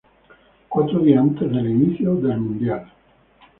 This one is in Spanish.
Cuatro días antes del inicio del Mundial.